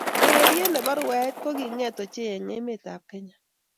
Urerie ne bo rwae ko kinget ochei eng emet ab Kenya.